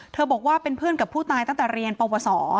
บอกว่าเป็นเพื่อนกับผู้ตายตั้งแต่เรียนปวสอ